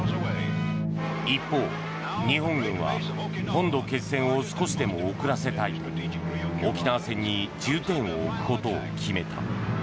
一方、日本軍は本土決戦を少しでも遅らせたいと沖縄戦に重点を置くことを決めた。